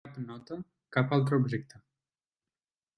Cap nota, cap altre objecte.